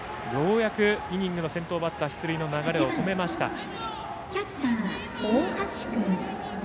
ようやくイニングの先頭バッター出塁の流れを止めました。